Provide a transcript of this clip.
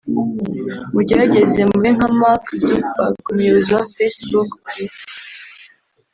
Mugerageze mube nka Mark Zuckerberg(umuyobozi wa facebook ku isi)